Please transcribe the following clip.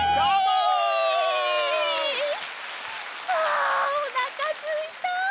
あおなかすいた！